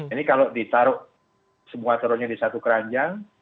ini kalau ditaruh semua turunnya di satu keranjang